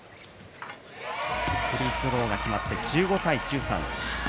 フリースローが決まって１５対１３。